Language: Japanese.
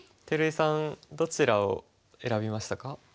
照井さんどちらを選びましたか？